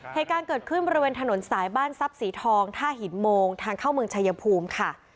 เหตุการณ์เกิดขึ้นบริเวณถนนสายบ้านทรัพย์สีทองท่าหินโมงทางเข้าเมืองชายภูมิค่ะ